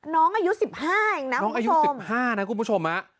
น้องอายุ๑๕อย่างนั้นคุณผู้ชม